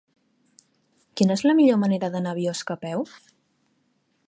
Quina és la millor manera d'anar a Biosca a peu?